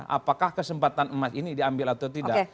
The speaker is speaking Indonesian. apakah kesempatan emas ini diambil atau tidak